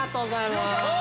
◆お。